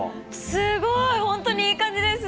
すごい本当にいい感じですね！